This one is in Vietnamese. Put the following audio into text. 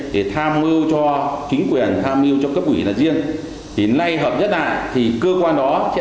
để tham mưu cho chính quyền tham mưu cho cấp quỷ là riêng thì nay hợp nhất là cơ quan đó sẽ